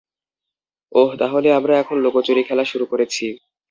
ওহ, তাহলে আমরা এখন লুকোচুরি খেলা শুরু করেছি!